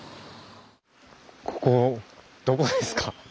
ここどこですか？